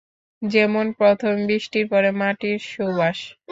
যেমন প্রথম বৃষ্টির পরে মাটির সুবাস।